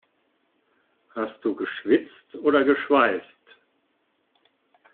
Hast du geschwitzt oder geschweißt?